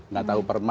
nggak tahu permaat